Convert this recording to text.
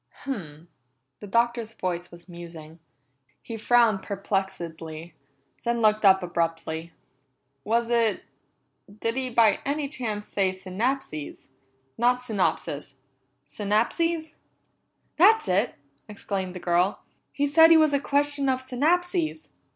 "Hum!" The Doctor's voice was musing. He frowned perplexedly, then looked up abruptly. "Was it did he by any chance say synapses? Not synopsis synapses?" "That's it!" exclaimed the girl. "He said he was a question of synapses.